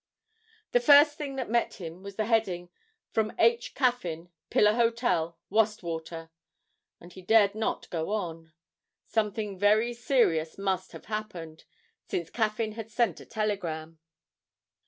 The first thing that met him was the heading: From H. Caffyn, Pillar Hotel, Wastwater, and he dared not go on. Something very serious must have happened, since Caffyn had sent a telegram!